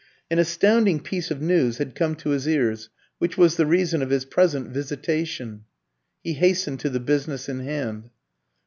An astounding piece of news had come to his ears, which was the reason of his present visitation. He hastened to the business in hand.